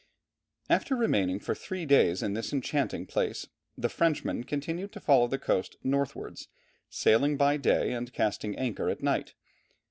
] After remaining for three days in this enchanting place, the Frenchmen continued to follow the coast northwards, sailing by day and casting anchor at night.